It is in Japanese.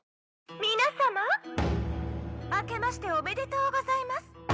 皆さま明けましておめでとうございます。